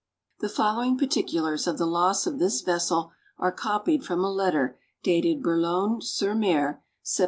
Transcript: The following particulars of the loss of this vessel are copied from a letter dated Boulogne sur mer, Sept.